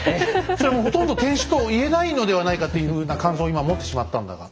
それはほとんど天酒と言えないのではないかっていうふうな感想を今持ってしまったんだが。